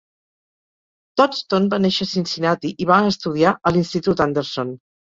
Dotson va néixer a Cincinnati i va estudiar a l'institut Anderson.